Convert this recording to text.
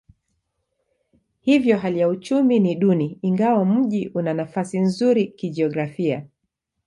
Hivyo hali ya uchumi ni duni ingawa mji una nafasi nzuri kijiografia.